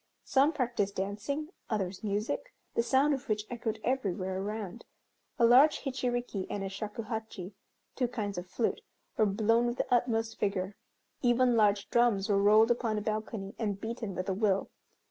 Some practised dancing, others music, the sound of which echoed everywhere around. A large hichiriki and a shakuhachi (two kinds of flute) were blown with the utmost vigor. Even large drums were rolled upon a balcony and beaten with a will.